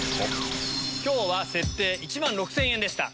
今日は設定１万６０００円でした。